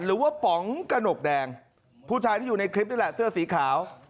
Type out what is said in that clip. หรือว่าป๋องกระหนกแดงผู้ชายที่อยู่ในคลิปนี่แหละเสื้อสีขาว